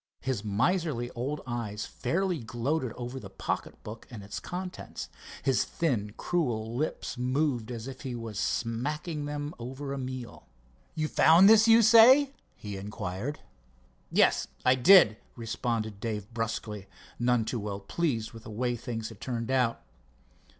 His miserly old eyes fairly gloated over the pocket book and its contents. His thin cruel lips moved as if he was smacking them over a meal. "You found this, you say?" he inquired. "Yes, I did," responded Dave brusquely, none too well pleased with the way things had turned out.